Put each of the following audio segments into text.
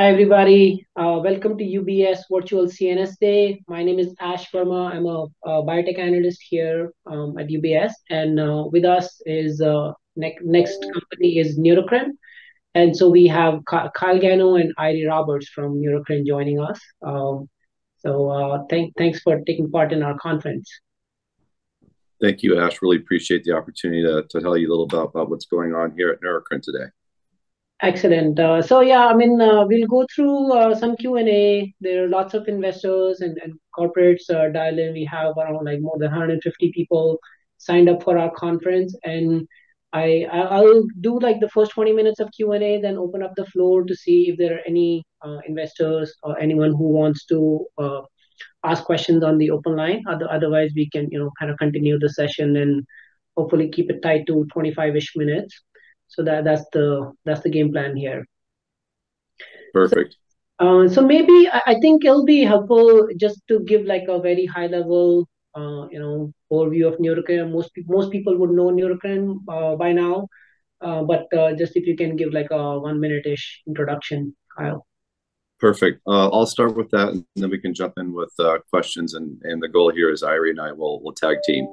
Hi, everybody. Welcome to UBS Virtual CNS Day. My name is Ash Verma. I'm a biotech analyst here at UBS, and with us is next company is Neurocrine. And so we have Kyle Gano and Eiry Roberts from Neurocrine joining us. So, thanks for taking part in our conference. Thank you, Ash. Really appreciate the opportunity to tell you a little about what's going on here at Neurocrine today. Excellent. So yeah, I mean, we'll go through some Q&A. There are lots of investors and corporates are dialed in. We have around, like, more than 150 people signed up for our conference, and I'll do, like, the first 20 minutes of Q&A, then open up the floor to see if there are any investors or anyone who wants to ask questions on the open line. Otherwise, we can, you know, kind of continue the session and hopefully keep it tight to 25-ish minutes. So that's the game plan here. Perfect. So maybe I think it'll be helpful just to give, like, a very high level, you know, overview of Neurocrine. Most people would know Neurocrine by now, but just if you can give, like, a one-minute-ish introduction, Kyle. Perfect. I'll start with that, and then we can jump in with questions, and the goal here is Eiry and I will tag team.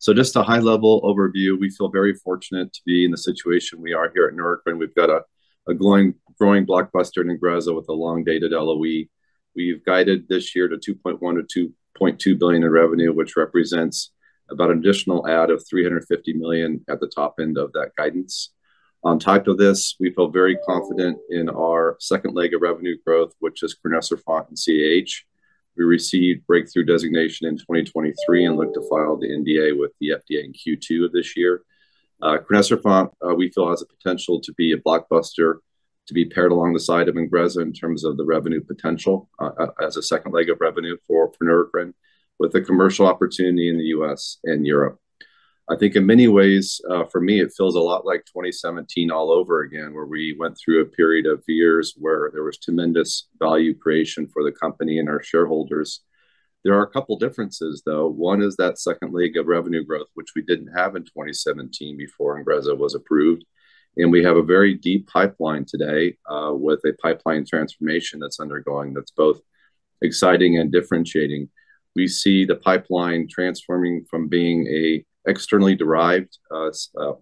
So just a high level overview, we feel very fortunate to be in the situation we are here at Neurocrine. We've got a growing blockbuster in Ingrezza with a long-dated LOE. We've guided this year to $2.1 billion-$2.2 billion in revenue, which represents about an additional add of $350 million at the top end of that guidance. On top of this, we feel very confident in our second leg of revenue growth, which is crinecerfont and CAH. We received breakthrough designation in 2023 and look to file the NDA with the FDA in Q2 of this year. Crinecerfont, we feel has the potential to be a blockbuster, to be paired along the side of Ingrezza in terms of the revenue potential, as a second leg of revenue for, for Neurocrine, with a commercial opportunity in the U.S. and Europe. I think in many ways, for me, it feels a lot like 2017 all over again, where we went through a period of years where there was tremendous value creation for the company and our shareholders. There are a couple differences, though. One is that second leg of revenue growth, which we didn't have in 2017 before Ingrezza was approved, and we have a very deep pipeline today, with a pipeline transformation that's undergoing, that's both exciting and differentiating. We see the pipeline transforming from being a externally derived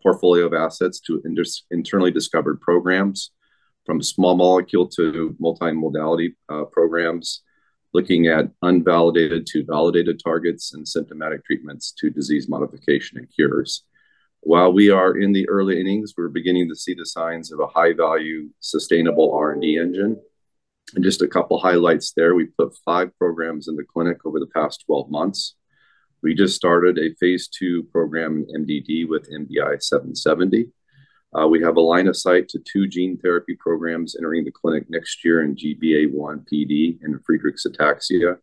portfolio of assets to internally discovered programs, from small molecule to multimodality programs, looking at unvalidated to validated targets and symptomatic treatments to disease modification and cures. While we are in the early innings, we're beginning to see the signs of a high-value, sustainable R&D engine. Just a couple highlights there: we put five programs in the clinic over the past 12 months. We just started a phase II program in MDD with NBI-770. We have a line of sight to two gene therapy programs entering the clinic next year in GBA1-PD and in Friedreich's ataxia,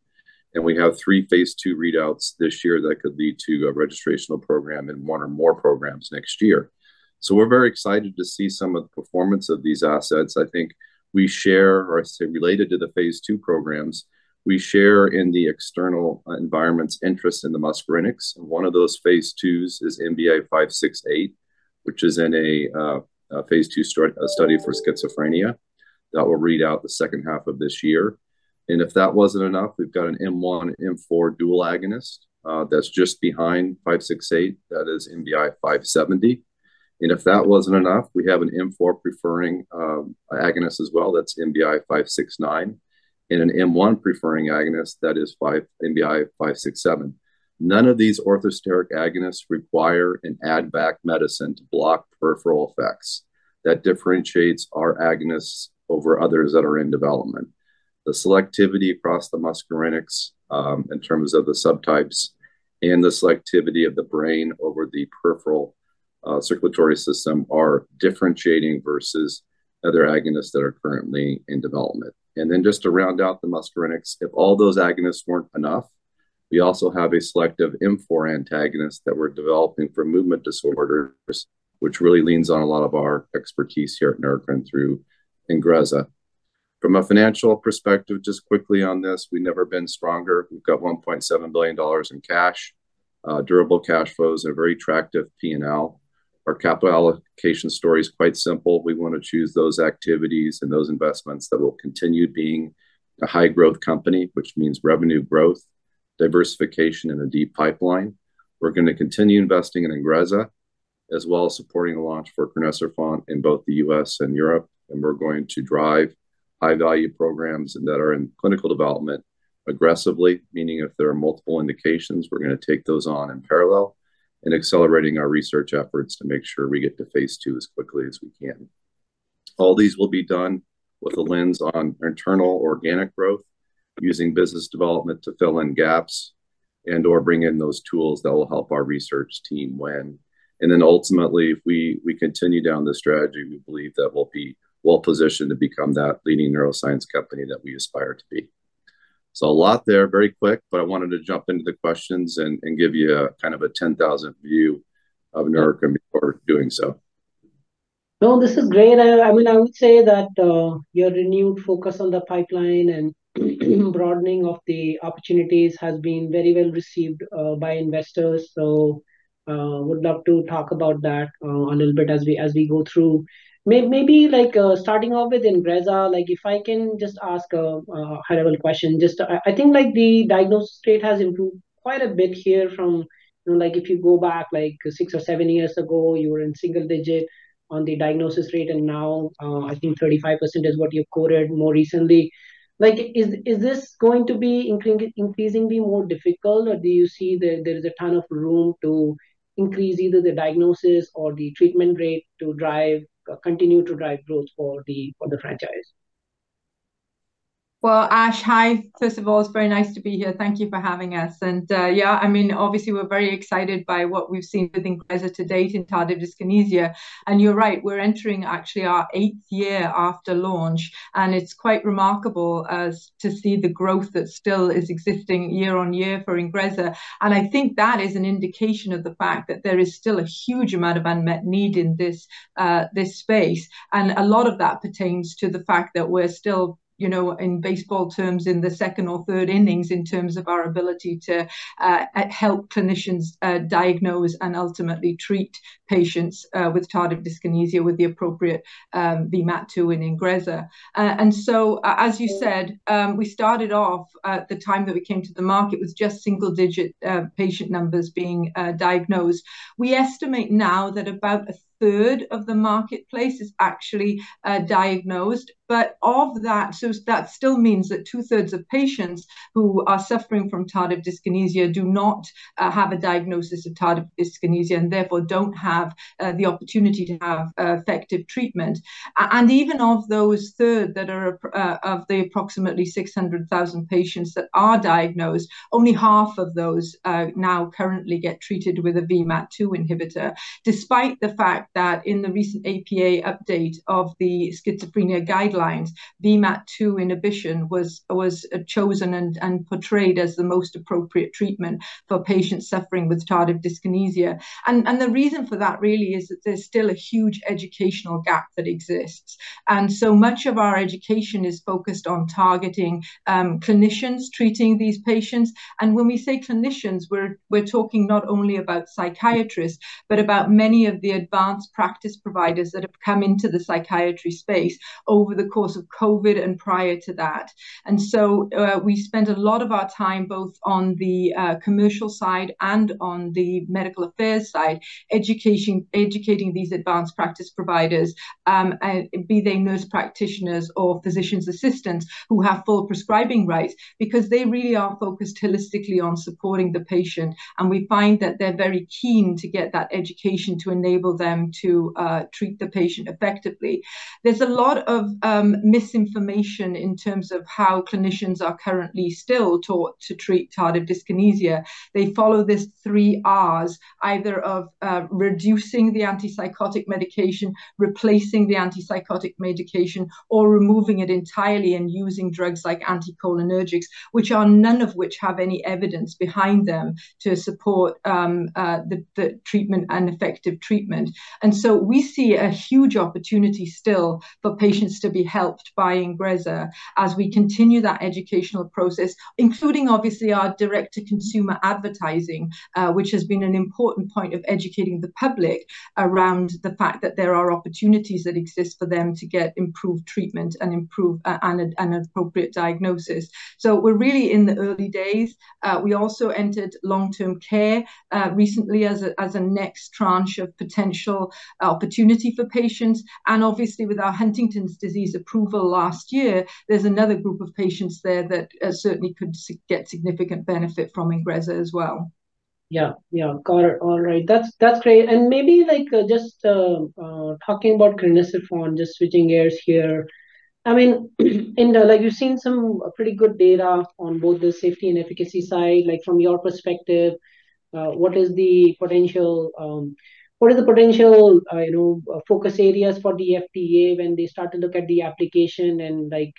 and we have three phase II readouts this year that could lead to a registrational program in one or more programs next year. So we're very excited to see some of the performance of these assets. I think we share, or say, related to the phase II programs, we share in the external environment's interest in the muscarinics, and one of those phase IIs is NBI-568, which is in a phase II study for schizophrenia. That will read out the second half of this year. And if that wasn't enough, we've got an M1/M4 dual agonist, that's just behind 568, that is NBI-570. And if that wasn't enough, we have an M4-preferring agonist as well, that's NBI-569, and an M1-preferring agonist, that is NBI-567. None of these orthosteric agonists require an add-back medicine to block peripheral effects. That differentiates our agonists over others that are in development. The selectivity across the muscarinics, in terms of the subtypes and the selectivity of the brain over the peripheral circulatory system, are differentiating versus other agonists that are currently in development. And then just to round out the muscarinics, if all those agonists weren't enough, we also have a selective M4 antagonist that we're developing for movement disorders, which really leans on a lot of our expertise here at Neurocrine through Ingrezza. From a financial perspective, just quickly on this, we've never been stronger. We've got $1.7 billion in cash, durable cash flows, a very attractive P&L. Our capital allocation story is quite simple. We wanna choose those activities and those investments that will continue being a high-growth company, which means revenue growth, diversification, and a deep pipeline. We're gonna continue investing in Ingrezza, as well as supporting the launch for crinecerfont in both the US and Europe, and we're going to drive high-value programs that are in clinical development aggressively, meaning if there are multiple indications, we're gonna take those on in parallel, and accelerating our research efforts to make sure we get to phase II as quickly as we can. All these will be done with a lens on internal organic growth, using business development to fill in gaps and/or bring in those tools that will help our research team win. And then ultimately, if we, we continue down this strategy, we believe that we'll be well positioned to become that leading neuroscience company that we aspire to be. So a lot there, very quick, but I wanted to jump into the questions and give you a kind of a 10,000 view of Neurocrine before doing so.... No, this is great. I mean, I would say that your renewed focus on the pipeline and broadening of the opportunities has been very well received by investors. So, would love to talk about that a little bit as we go through. Maybe, like, starting off with Ingrezza, like, if I can just ask a high-level question. Just, I think, like, the diagnosis rate has improved quite a bit here from... You know, like, if you go back, like, six or seven years ago, you were in single digit on the diagnosis rate, and now, I think 35% is what you quoted more recently. Like, is this going to be increasingly more difficult, or do you see there is a ton of room to increase either the diagnosis or the treatment rate to drive... continue to drive growth for the franchise? Well, Ash, hi. First of all, it's very nice to be here. Thank you for having us. And, yeah, I mean, obviously, we're very excited by what we've seen with Ingrezza to date in tardive dyskinesia. And you're right, we're entering actually our eighth year after launch, and it's quite remarkable to see the growth that still is existing year on year for Ingrezza. And I think that is an indication of the fact that there is still a huge amount of unmet need in this, this space. And a lot of that pertains to the fact that we're still, you know, in baseball terms, in the second or third innings in terms of our ability to help clinicians diagnose and ultimately treat patients with tardive dyskinesia with the appropriate VMAT2 in Ingrezza. And so as you said, we started off, at the time that we came to the market, was just single-digit patient numbers being diagnosed. We estimate now that about a third of the marketplace is actually diagnosed. But of that... So that still means that two-thirds of patients who are suffering from tardive dyskinesia do not have a diagnosis of tardive dyskinesia, and therefore don't have the opportunity to have effective treatment. And even of those third that are, of the approximately 600,000 patients that are diagnosed, only half of those now currently get treated with a VMAT2 inhibitor. Despite the fact that in the recent APA update of the schizophrenia guidelines, VMAT2 inhibition was chosen and portrayed as the most appropriate treatment for patients suffering with tardive dyskinesia. The reason for that really is that there's still a huge educational gap that exists, and so much of our education is focused on targeting clinicians treating these patients. And when we say clinicians, we're talking not only about psychiatrists, but about many of the advanced practice providers that have come into the psychiatry space over the course of COVID and prior to that. And so, we spend a lot of our time, both on the commercial side and on the medical affairs side, educating these advanced practice providers, be they nurse practitioners or physician assistants, who have full prescribing rights, because they really are focused holistically on supporting the patient, and we find that they're very keen to get that education to enable them to treat the patient effectively. There's a lot of misinformation in terms of how clinicians are currently still taught to treat tardive dyskinesia. They follow these three Rs, either of reducing the antipsychotic medication, replacing the antipsychotic medication, or removing it entirely and using drugs like anticholinergics, none of which have any evidence behind them to support the treatment and effective treatment. And so we see a huge opportunity still for patients to be helped by Ingrezza as we continue that educational process, including, obviously, our direct-to-consumer advertising, which has been an important point of educating the public around the fact that there are opportunities that exist for them to get improved treatment and improved and appropriate diagnosis. So we're really in the early days. We also entered long-term care recently as a next tranche of potential opportunity for patients. And obviously, with our Huntington's disease approval last year, there's another group of patients there that certainly could get significant benefit from Ingrezza as well. Yeah. Yeah, got it. All right. That's, that's great. And maybe, like, just, talking about crinecerfont, just switching gears here. I mean, in the... Like, you've seen some pretty good data on both the safety and efficacy side. Like, from your perspective, what is the potential, what are the potential, you know, focus areas for the FDA when they start to look at the application and, like,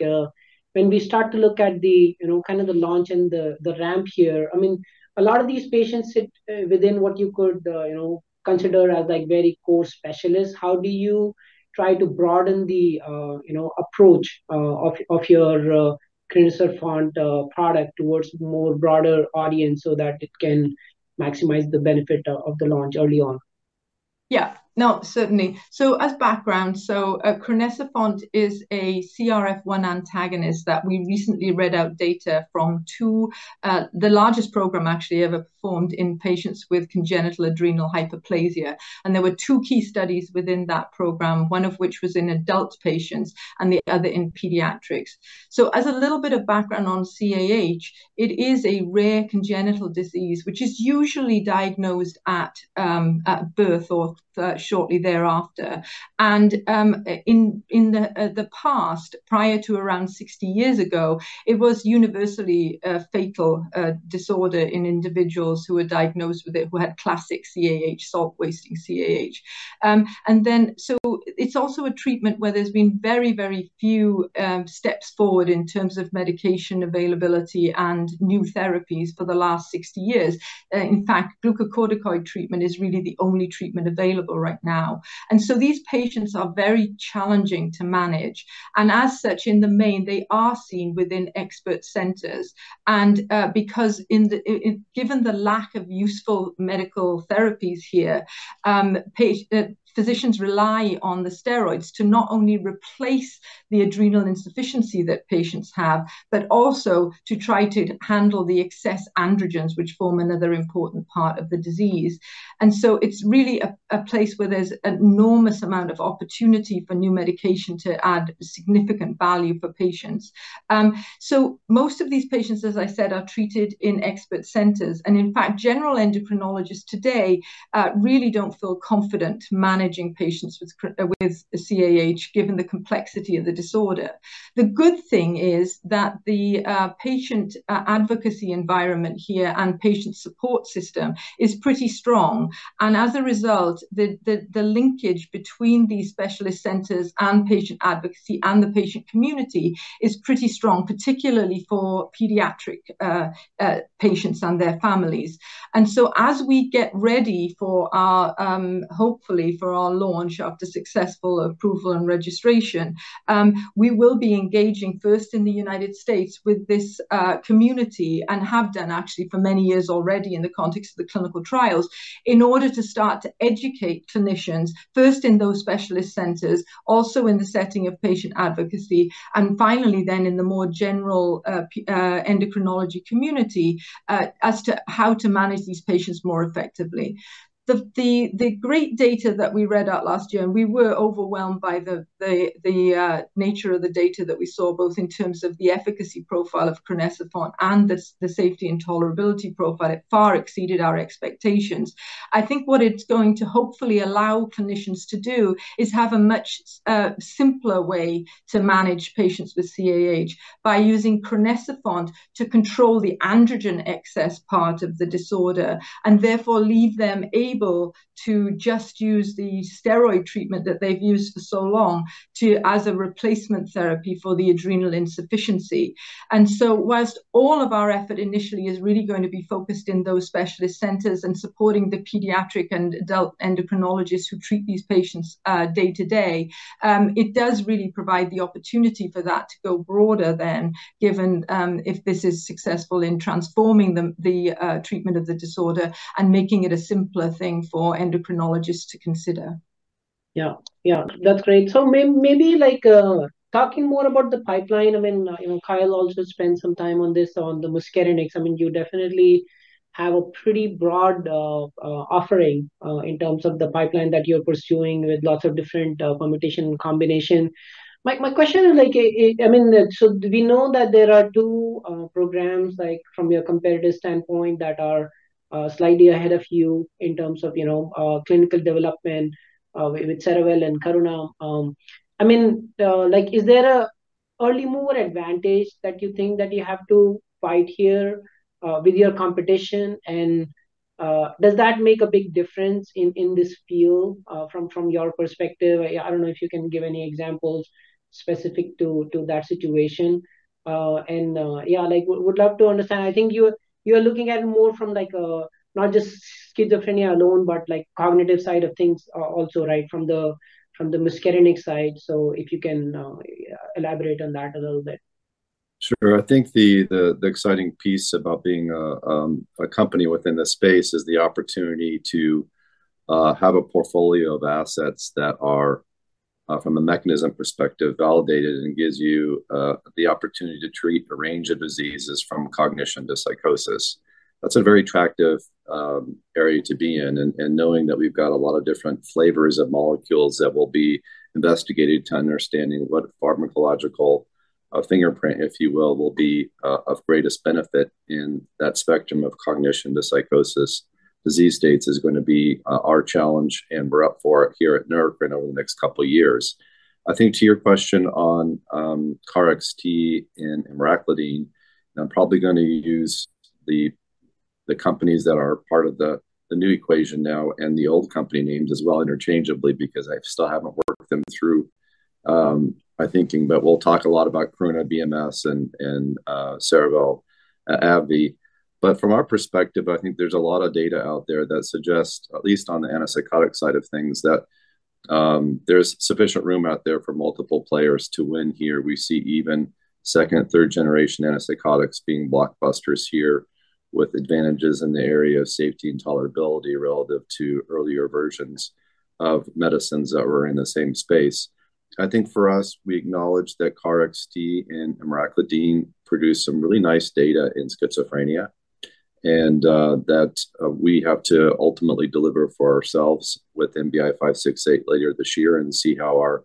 when we start to look at the, you know, kind of the launch and the, the ramp here? I mean, a lot of these patients sit, within what you could, you know, consider as, like, very core specialists. How do you try to broaden the, you know, approach of your crinecerfont product towards more broader audience so that it can maximize the benefit of the launch early on? ... Yeah. No, certainly. So as background, crinecerfont is a CRF1 antagonist that we recently read out data from 2, the largest program actually ever performed in patients with congenital adrenal hyperplasia. And there were 2 key studies within that program, one of which was in adult patients and the other in pediatrics. So as a little bit of background on CAH, it is a rare congenital disease which is usually diagnosed at birth or shortly thereafter. And in the past, prior to around 60 years ago, it was universally a fatal disorder in individuals who were diagnosed with it, who had classic CAH, salt-wasting CAH. And then so it's also a treatment where there's been very, very few steps forward in terms of medication availability and new therapies for the last 60 years. In fact, glucocorticoid treatment is really the only treatment available right now. And so these patients are very challenging to manage, and as such, in the main, they are seen within expert centers. And because given the lack of useful medical therapies here, physicians rely on the steroids to not only replace the adrenal insufficiency that patients have, but also to try to handle the excess androgens, which form another important part of the disease. And so it's really a place where there's an enormous amount of opportunity for new medication to add significant value for patients. So most of these patients, as I said, are treated in expert centers, and in fact, general endocrinologists today really don't feel confident managing patients with CAH, given the complexity of the disorder. The good thing is that the patient advocacy environment here and patient support system is pretty strong, and as a result, the linkage between these specialist centers and patient advocacy and the patient community is pretty strong, particularly for pediatric patients and their families. And so as we get ready for our, hopefully, for our launch after successful approval and registration, we will be engaging first in the United States with this community, and have done actually for many years already in the context of the clinical trials, in order to start to educate clinicians first in those specialist centers, also in the setting of patient advocacy, and finally, then in the more general endocrinology community, as to how to manage these patients more effectively. The great data that we read out last year, and we were overwhelmed by the nature of the data that we saw, both in terms of the efficacy profile of crinecerfont and the safety and tolerability profile, it far exceeded our expectations. I think what it's going to hopefully allow clinicians to do is have a much simpler way to manage patients with CAH by using crinecerfont to control the androgen excess part of the disorder, and therefore leave them able to just use the steroid treatment that they've used for so long to... as a replacement therapy for the adrenal insufficiency. And so while all of our effort initially is really going to be focused in those specialist centers and supporting the pediatric and adult endocrinologists who treat these patients day-to-day, it does really provide the opportunity for that to go broader than, given, if this is successful in transforming the treatment of the disorder and making it a simpler thing for endocrinologists to consider. Yeah. Yeah, that's great. So maybe, like, talking more about the pipeline, I mean, you know, Kyle also spent some time on this, on the muscarinic. I mean, you definitely have a pretty broad offering in terms of the pipeline that you're pursuing with lots of different permutation and combination. My question is like, I mean, so we know that there are two programs, like from your competitive standpoint, that are slightly ahead of you in terms of, you know, clinical development with Cerevel and Karuna. I mean, like, is there an early mover advantage that you think that you have to fight here with your competition? And does that make a big difference in this field from your perspective? I don't know if you can give any examples specific to that situation. And yeah, like, would love to understand. I think you're looking at it more from like a not just schizophrenia alone, but like cognitive side of things also, right? From the muscarinic side. So if you can elaborate on that a little bit. Sure. I think the exciting piece about being a company within this space is the opportunity to have a portfolio of assets that are from a mechanism perspective, validated, and gives you the opportunity to treat a range of diseases from cognition to psychosis. That's a very attractive area to be in, and knowing that we've got a lot of different flavors of molecules that will be investigated to understanding what pharmacological fingerprint, if you will, will be of greatest benefit in that spectrum of cognition to psychosis disease states is gonna be our challenge, and we're up for it here at Neurocrine over the next couple of years. I think to your question on KarXT and Emraclidine, and I'm probably gonna use the companies that are part of the new equation now and the old company names as well interchangeably, because I still haven't worked them through my thinking. But we'll talk a lot about Karuna, BMS, and Cerevel, AbbVie. But from our perspective, I think there's a lot of data out there that suggests, at least on the antipsychotic side of things, that-... there's sufficient room out there for multiple players to win here. We see even second, third generation antipsychotics being blockbusters here, with advantages in the area of safety and tolerability relative to earlier versions of medicines that were in the same space. I think for us, we acknowledge that KarXT and emraclidine produced some really nice data in schizophrenia, and that we have to ultimately deliver for ourselves with NBI-568 later this year and see how our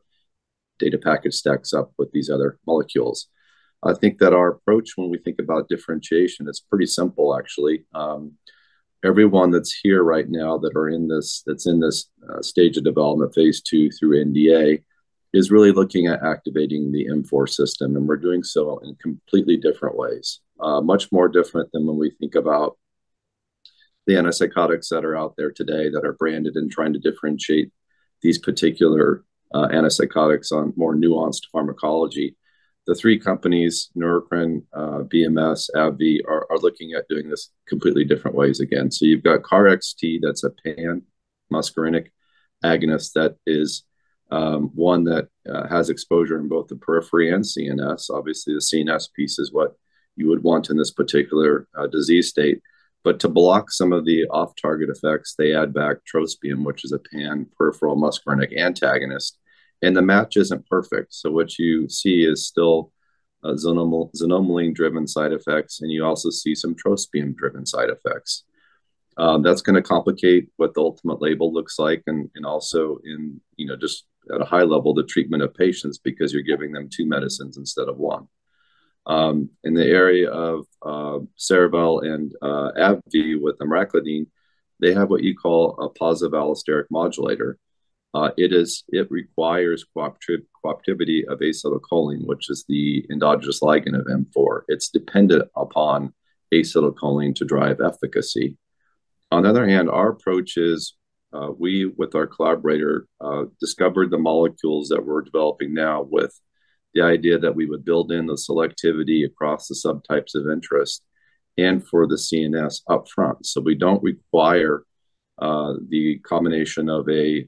data package stacks up with these other molecules. I think that our approach when we think about differentiation is pretty simple, actually. Everyone that's here right now that's in this stage of development, phase two through NDA, is really looking at activating the M4 system, and we're doing so in completely different ways. Much more different than when we think about the antipsychotics that are out there today that are branded and trying to differentiate these particular antipsychotics on more nuanced pharmacology. The three companies, Neurocrine, BMS, AbbVie, are, are looking at doing this completely different ways again. So you've got KarXT, that's a pan-muscarinic agonist that is one that has exposure in both the periphery and CNS. Obviously, the CNS piece is what you would want in this particular disease state. But to block some of the off-target effects, they add back trospium, which is a pan-peripheral muscarinic antagonist, and the match isn't perfect. So what you see is still xanomeline-driven side effects, and you also see some trospium-driven side effects. That's gonna complicate what the ultimate label looks like, and also in, you know, just at a high level, the treatment of patients, because you're giving them two medicines instead of one. In the area of Cerevel and AbbVie with emraclidine, they have what you call a positive allosteric modulator. It requires cooperativity of acetylcholine, which is the endogenous ligand of M4. It's dependent upon acetylcholine to drive efficacy. On the other hand, our approach is, we, with our collaborator, discovered the molecules that we're developing now with the idea that we would build in the selectivity across the subtypes of interest and for the CNS up front. So we don't require the combination of a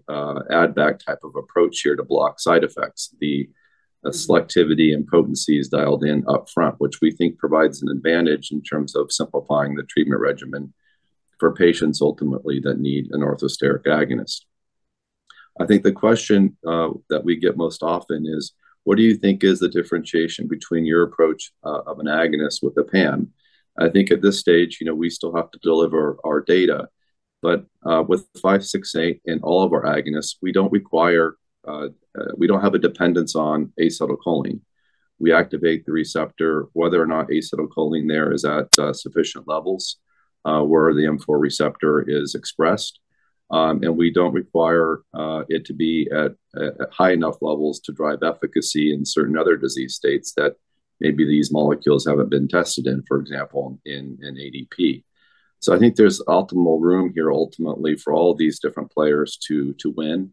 add-back type of approach here to block side effects. The selectivity and potency is dialed in up front, which we think provides an advantage in terms of simplifying the treatment regimen for patients ultimately that need an orthosteric agonist. I think the question that we get most often is, "What do you think is the differentiation between your approach of an agonist with a PAM?" I think at this stage, you know, we still have to deliver our data. But with 568 and all of our agonists, we don't have a dependence on acetylcholine. We activate the receptor whether or not acetylcholine there is at sufficient levels where the M4 receptor is expressed. And we don't require it to be at high enough levels to drive efficacy in certain other disease states that maybe these molecules haven't been tested in, for example, in ADP. So I think there's optimal room here ultimately for all these different players to win.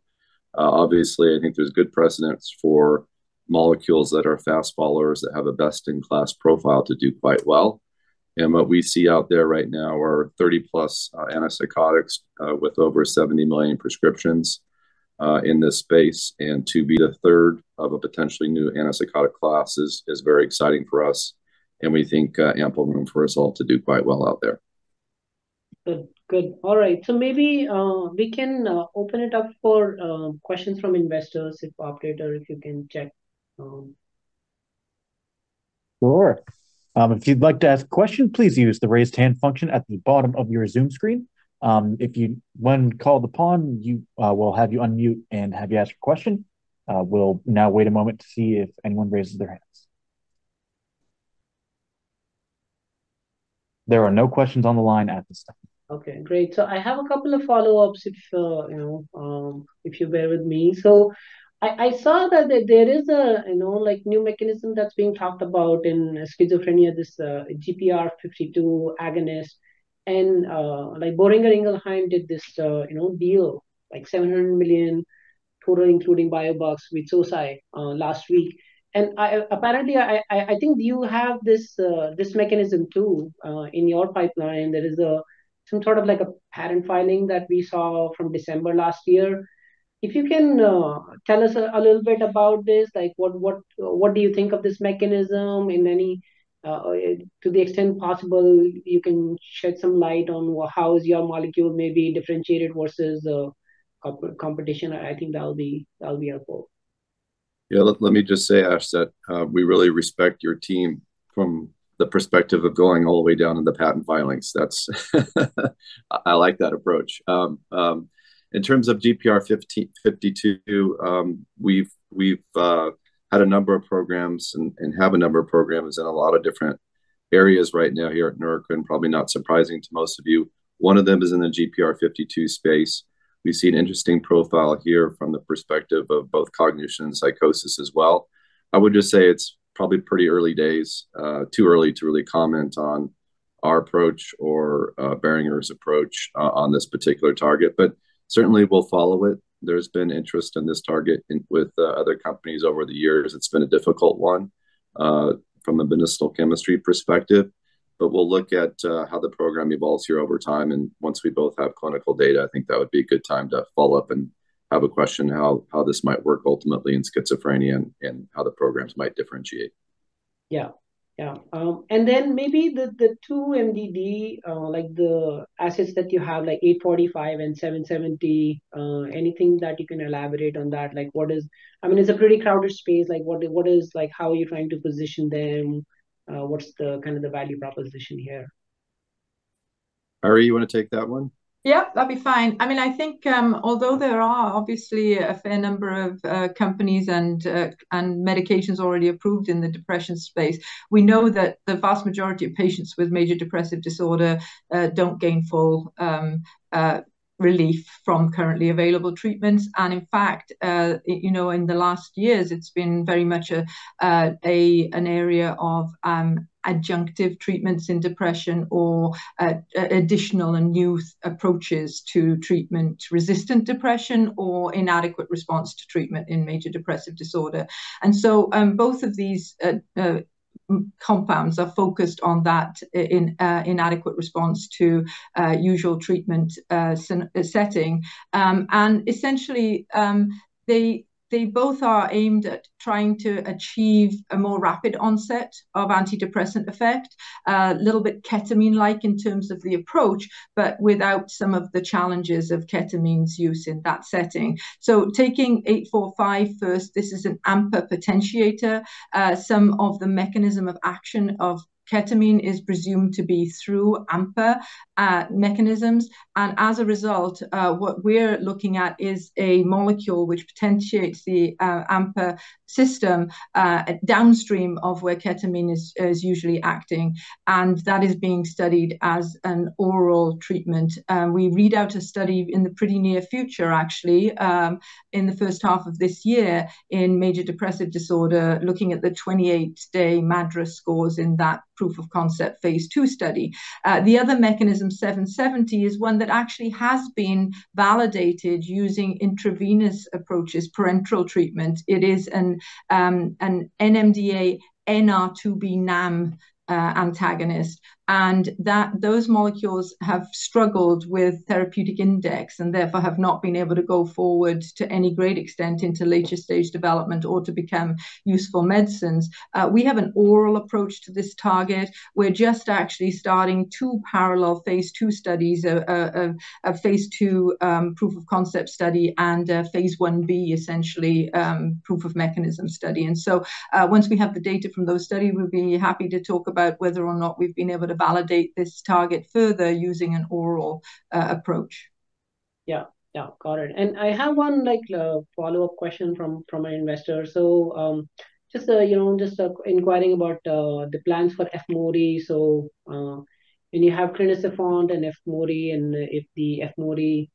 Obviously, I think there's good precedents for molecules that are fast followers, that have a best-in-class profile to do quite well. And what we see out there right now are 30+ antipsychotics with over 70 million prescriptions in this space. And to be the third of a potentially new antipsychotic class is very exciting for us, and we think ample room for us all to do quite well out there. Good, good. All right, so maybe we can open it up for questions from investors, if, Operator, if you can check. Sure. If you'd like to ask a question, please use the Raise Hand function at the bottom of your Zoom screen. If, when called upon, we'll have you unmute and have you ask your question. We'll now wait a moment to see if anyone raises their hands. There are no questions on the line at this time. Okay, great. So I have a couple of follow-ups if you know, if you bear with me. So I saw that there is a you know, like, new mechanism that's being talked about in schizophrenia, this GPR52 agonist. And like, Boehringer Ingelheim did this you know, deal, like $700 million total, including biobucks with Sosei last week. And apparently, I think you have this mechanism too in your pipeline. There is some sort of like a patent filing that we saw from December last year. If you can tell us a little bit about this, like, what do you think of this mechanism in any. To the extent possible, you can shed some light on how is your molecule may be differentiated versus the competition. I think that'll be, that'll be helpful. Yeah, let me just say, Ash, that we really respect your team from the perspective of going all the way down in the patent filings. That's... I like that approach. In terms of GPR52, we've had a number of programs and have a number of programs in a lot of different areas right now here at Neurocrine, probably not surprising to most of you. One of them is in the GPR52 space. We see an interesting profile here from the perspective of both cognition and psychosis as well. I would just say it's probably pretty early days, too early to really comment on our approach or Boehringer's approach on this particular target, but certainly we'll follow it. There's been interest in this target in with other companies over the years. It's been a difficult one from a medicinal chemistry perspective... but we'll look at how the program evolves here over time, and once we both have clinical data, I think that would be a good time to follow up and have a question how this might work ultimately in schizophrenia and how the programs might differentiate. Yeah. Yeah. And then maybe the two MDD assets that you have, like 845 and 770, anything that you can elaborate on that? Like, what is? I mean, it's a pretty crowded space. Like, what is. Like, how are you trying to position them? What's the kind of value proposition here? Eiry, you wanna take that one? Yeah, that'd be fine. I mean, I think, although there are obviously a fair number of companies and medications already approved in the depression space, we know that the vast majority of patients with major depressive disorder don't gain full relief from currently available treatments. And in fact, you know, in the last years, it's been very much an area of adjunctive treatments in depression or additional and new approaches to treatment-resistant depression or inadequate response to treatment in major depressive disorder. And so, both of these compounds are focused on that in inadequate response to usual treatment setting. Essentially, they both are aimed at trying to achieve a more rapid onset of antidepressant effect, a little bit ketamine-like in terms of the approach, but without some of the challenges of ketamine's use in that setting. Taking 845 first, this is an AMPA potentiator. Some of the mechanism of action of ketamine is presumed to be through AMPA mechanisms, and as a result, what we're looking at is a molecule which potentiates the AMPA system, downstream of where ketamine is usually acting, and that is being studied as an oral treatment. We read out a study in the pretty near future, actually, in the first half of this year, in major depressive disorder, looking at the 28-day MADRS scores in that proof-of-concept phase II study. The other mechanism, NBI-770, is one that actually has been validated using intravenous approaches, parenteral treatment. It is an NMDA NR2B NAM antagonist, and those molecules have struggled with therapeutic index and therefore have not been able to go forward to any great extent into later-stage development or to become useful medicines. We have an oral approach to this target. We're just actually starting two parallel phase II studies, a phase II proof-of-concept study and a phase Ib, essentially, proof-of-mechanism study. And so, once we have the data from those study, we'll be happy to talk about whether or not we've been able to validate this target further using an oral approach. Yeah. Yeah, got it. And I have one, like, follow-up question from an investor. So, just, you know, just inquiring about the plans for Efmody. So, when you have crinecerfont and Efmody, and if the Efmody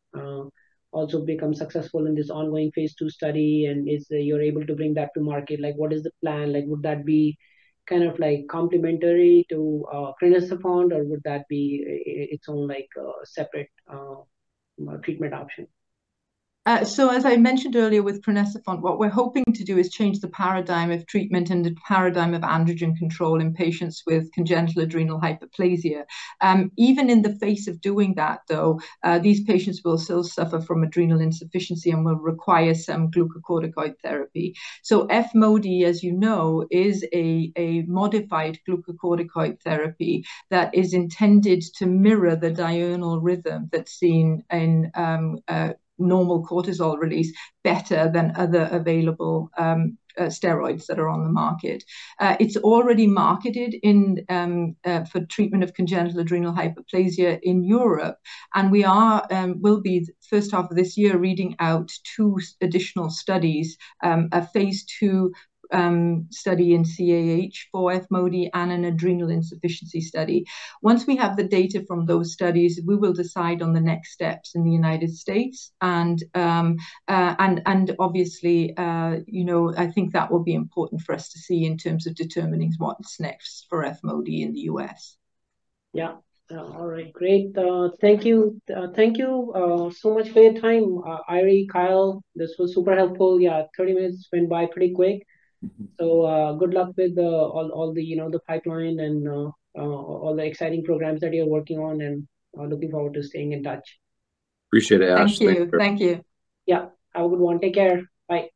also becomes successful in this ongoing phase II study, and if you're able to bring that to market, like, what is the plan? Like, would that be kind of like complementary to crinecerfont, or would that be its own, like, separate treatment option? So as I mentioned earlier with crinecerfont, what we're hoping to do is change the paradigm of treatment and the paradigm of androgen control in patients with congenital adrenal hyperplasia. Even in the face of doing that, though, these patients will still suffer from adrenal insufficiency and will require some glucocorticoid therapy. So Efmody, as you know, is a modified glucocorticoid therapy that is intended to mirror the diurnal rhythm that's seen in normal cortisol release better than other available steroids that are on the market. It's already marketed in Europe for treatment of congenital adrenal hyperplasia, and we will be, first half of this year, reading out two additional studies, a phase II study in CAH for Efmody and an adrenal insufficiency study. Once we have the data from those studies, we will decide on the next steps in the United States. And obviously, you know, I think that will be important for us to see in terms of determining what's next for Efmody in the US. Yeah. All right. Great. Thank you. Thank you so much for your time, Eiry, Kyle. This was super helpful. Yeah, 30 minutes went by pretty quick. Mm-hmm. So, good luck with all the, you know, the pipeline and all the exciting programs that you're working on, and I'm looking forward to staying in touch. Appreciate it, Ash. Thank you. Thank you. Thank you. Yeah. Have a good one. Take care. Bye. Bye.